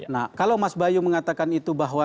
nah kalau mas bayu mengatakan itu bahwa